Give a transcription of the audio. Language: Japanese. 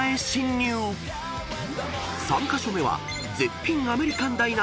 ［３カ所目は］